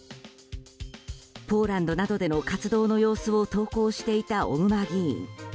ポーランドなどでの活動の様子を投稿していた小熊議員。